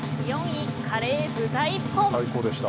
４位、カレー豚一本。